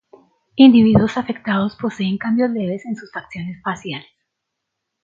Individuos afectados poseen cambios leves en sus facciones faciales.